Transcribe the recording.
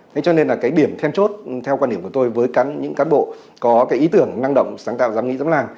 thế cho nên là cái điểm then chốt theo quan điểm của tôi với những cán bộ có cái ý tưởng năng động sáng tạo dám nghĩ dám làm